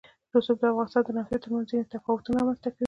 رسوب د افغانستان د ناحیو ترمنځ ځینې تفاوتونه رامنځ ته کوي.